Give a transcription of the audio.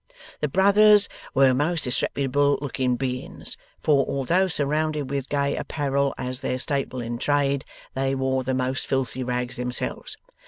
The brothers were most disreputable looking beings; for, although surrounded with gay apparel as their staple in trade, they wore the most filthy rags themselves.